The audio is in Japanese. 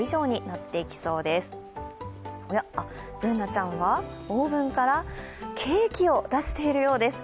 Ｂｏｏｎａちゃんはオーブンからケーキを出しているようです。